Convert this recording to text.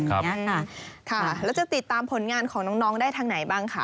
แล้วจะติดตามผลงานของน้องได้ทางไหนบ้างคะ